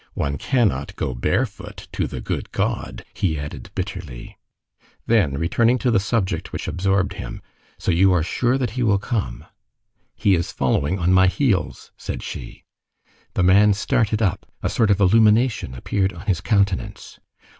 One cannot go barefoot to the good God," he added bitterly. Then, returning to the subject which absorbed him:— "So you are sure that he will come?" "He is following on my heels," said she. The man started up. A sort of illumination appeared on his countenance.